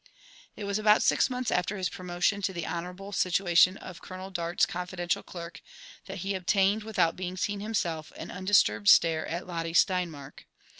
It was about six months after his promotion to the honourable situation of Colonel Dart's confidential clerk, that he obtained, without being seen himself, an undisturbed stare at Lotte Steinmark.